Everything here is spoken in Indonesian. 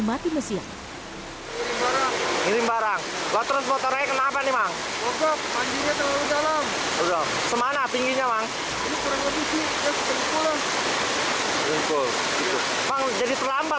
mati mesin ngirim barang water motornya kenapa nih bang semana tingginya bang jadi terlambat